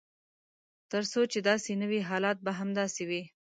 تر څو چې داسې نه وي حالات به همداسې وي.